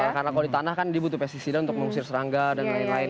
karena kalau di tanah kan dia butuh pesticida untuk mengusir serangga dan lain lain